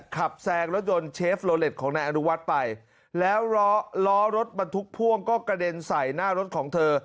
แซงรถยนต์เชฟโลเล็ตของนายอนุวัฒน์ไปแล้วล้อล้อรถบรรทุกพ่วงก็กระเด็นใส่หน้ารถของเธอ